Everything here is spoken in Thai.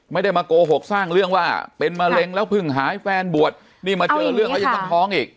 ไม่ได้มาโกหกสร้างเรื่องว่าเป็นมะเร็งแล้วเพิ่งหายแฟนบวชนี่มาเจอเรื่องแล้วยังต้องท้องอีก